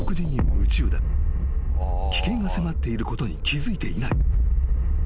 ［危険が迫っていることに気付いていない］